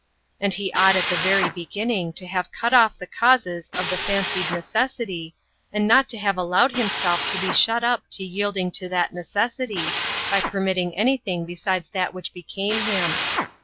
And He ought at the very beginning to have cut off the causes of [the fancied] necessity, and not to have allowed Himself to be shut up to yielding to that necessity, by permitting anything besides that which became Him.